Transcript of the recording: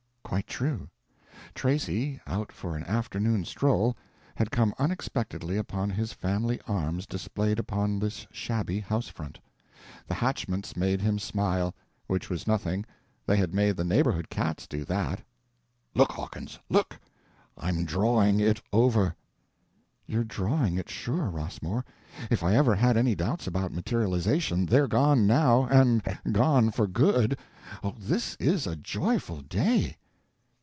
Quite true. Tracy, out for an afternoon stroll, had come unexpectantly upon his family arms displayed upon this shabby house front. The hatchments made him smile; which was nothing, they had made the neighborhood cats do that. "Look, Hawkins, look! I'm drawing It over!" "You're drawing it sure, Rossmore. If I ever had any doubts about materialization, they're gone, now, and gone for good. Oh, this is a joyful day!"